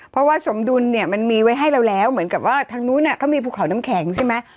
เพราะว่าสมดุลเนี่ยมันมีไว้ให้เราแล้วเหมือนกับว่าทางนู้นเขามีภูเขาน้ำแข็งใช่ไหม